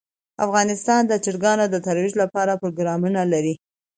افغانستان د چرګان د ترویج لپاره پروګرامونه لري.